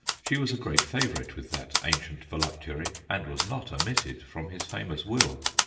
She was a great favourite with that ancient voluptuary, and was not omitted from his famous will.